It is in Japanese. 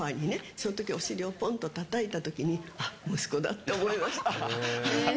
そのときにお尻をぽんとたたいたときに、あっ、息子だって思いました。